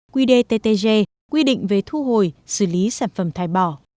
quy đề ttg quy định về thu hồi xử lý sản phẩm thải bỏ